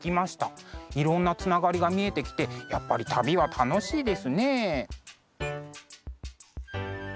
いろんなつながりが見えてきてやっぱり旅は楽しいですね。